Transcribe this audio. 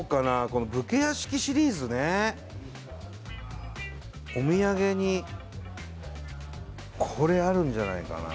この武家屋敷シリーズねおみやげにこれあるんじゃないかな